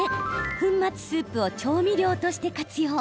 粉末スープを調味料として活用。